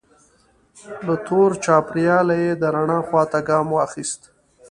له تور چاپیریاله یې د رڼا خوا ته ګام واخیست.